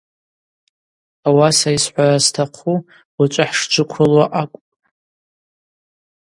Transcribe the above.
Ауаса йсхӏвара стахъу уачӏвы хӏшджвыквылуа акӏвпӏ.